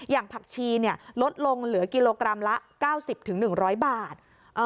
ผักชีลดลงเหลือกิโลกรัมละ๙๐๑๐๐บาท